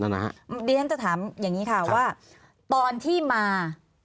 แล้วนะฮะเดี๋ยวท่านจะถามอย่างงี้ค่ะว่าตอนที่มา